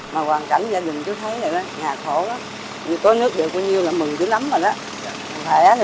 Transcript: mà hoàn cảnh gia đình chú thấy này nhà khổ có nước được bao nhiêu là mừng chú lắm rồi đó